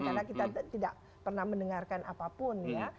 karena kita tidak pernah mendengarkan apapun ya